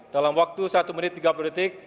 dalam waktu satu menit tiga puluh detik